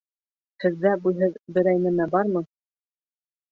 Һеҙҙә буйһыҙ берәй нәмә бармы?